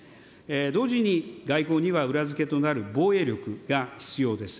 同時に、外交には裏付けとなる防衛力が必要です。